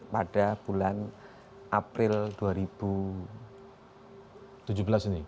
pada bulan april dua ribu tujuh belas ini